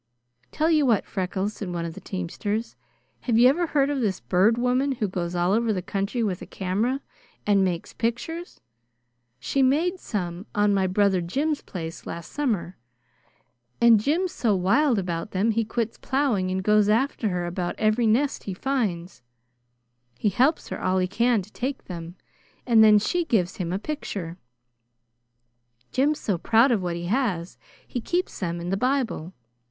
"Tell you what, Freckles," said one of the teamsters. "Have you ever heard of this Bird Woman who goes all over the country with a camera and makes pictures? She made some on my brother Jim's place last summer, and Jim's so wild about them he quits plowing and goes after her about every nest he finds. He helps her all he can to take them, and then she gives him a picture. Jim's so proud of what he has he keeps them in the Bible.